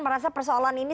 merasa persoalan ini